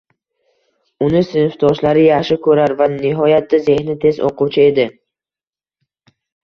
Uni sinfdoshlari yaxshi ko`rar va nihoyatda zehni tez o`quvchi edi